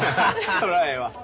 そらええわ。